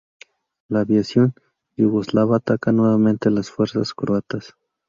La aviación yugoslava ataca nuevamente a las fuerzas croatas.